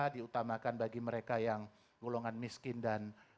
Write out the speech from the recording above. diutamakan bagi mereka yang golongan miskin dan